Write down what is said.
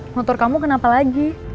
motor kamu kenapa lagi